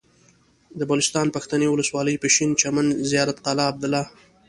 د بلوچستان پښتنې ولسوالۍ پشين چمن زيارت قلعه عبدالله